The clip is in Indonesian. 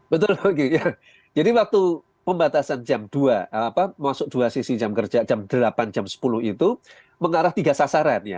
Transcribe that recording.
betul jadi waktu pembatasan jam dua masuk dua sesi jam kerja jam delapan jam sepuluh itu mengarah tiga sasaran ya